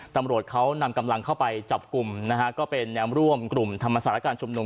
ตำรวจเขานำกำลังเข้าไปจับกลุ่มนะฮะก็เป็นแนวร่วมกลุ่มธรรมศาสตร์การชุมนุม